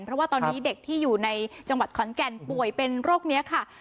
เพราะว่าตอนนี้เด็กที่อยู่ในจังหวัดขอนแก่นป่วยเป็นโรคนี้ค่ะ